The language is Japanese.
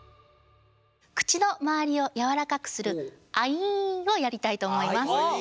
口の周りをやわらかくするアイーンをやりたいと思います。